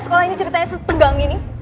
sekolah ini ceritanya setegang ini